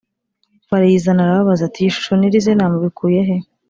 barayizana arababaza ati iyi shusho n iri zina mubikuye he